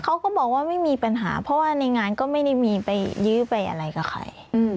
เขาก็บอกว่าไม่มีปัญหาเพราะว่าในงานก็ไม่ได้มีไปยื้อไปอะไรกับใคร